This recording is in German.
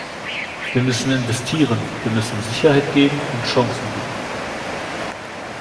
Wir müssen investieren, wir müssen Sicherheit geben und Chancen bieten.